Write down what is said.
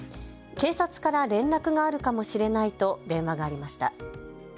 警察から連絡があるかもしれないと電話がありました。